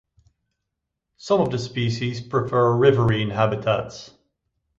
Some of the species prefer riverine habitats.